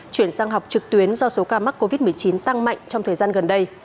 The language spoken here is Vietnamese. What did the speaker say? chuyển sang học trực tuyến do số ca mắc covid một mươi chín tăng mạnh trong thời gian gần đây